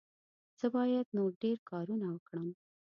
زه باید نور ډېر کارونه وکړم.